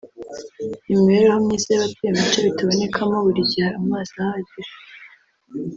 imibereho myiza y’abatuye mu bice bitabonekamo buri gihe amazi ahagije